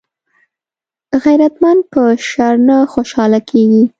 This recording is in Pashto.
غیرتمند په شر نه خوشحاله کېږي